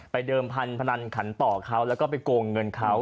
เดิมพันธนันขันต่อเขาแล้วก็ไปโกงเงินเขา